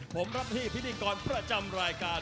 ผมรับที่พิธีกรประจำรายการ